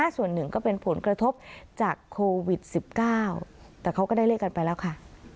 ส่วนหนึ่งก็เป็นผลกระทบจากโควิด๑๙แต่เขาก็ได้เลขกันไปแล้วค่ะ